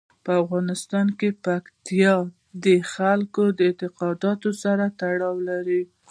په افغانستان کې پکتیکا د خلکو د اعتقاداتو سره تړاو لري.